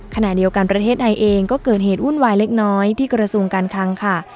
ขณะเดียวกันประเทศไทยเองก็เกิดเหตุวุ่นวายเล็กน้อยที่กระทรวงการคลังค่ะ